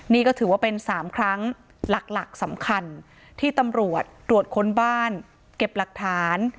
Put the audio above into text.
นี่ก็ถือว่าเป็น๓ครั้งหลักสำคัญที่ตำรวจตรวจค้นบ้านเก็บหลักฐาน